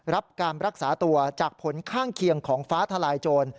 รับการรักษาตัวจากผลข้างเคียงของฟ้าทลายโจร